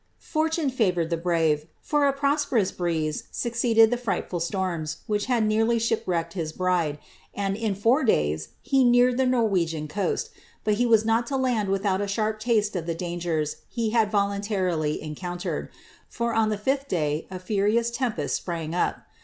Fortune favoured the brave, for a prosperous breeze succeeded the frightful storms, which had nearly shipwrecked his bride ; and in four days, he neared the Norwegian coast, but he was not to land without a sharp taste of the dangers he had voluntarily encountered ; for, on the fifth day, a furious tempest sprang up.